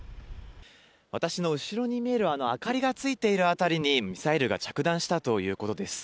私の後ろに見えるあの明かりがついている辺りに、ミサイルが着弾したということです。